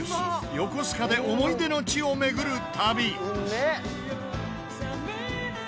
横須賀で思い出の地を巡る旅。